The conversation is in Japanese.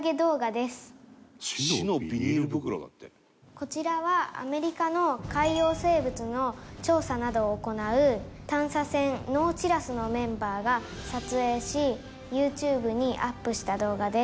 こちらはアメリカの海洋生物の調査などを行う探査船ノーチラスのメンバーが撮影しユーチューブにアップした動画です。